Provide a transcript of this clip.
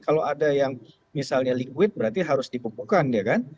kalau ada yang misalnya liquid berarti harus dipupukkan ya kan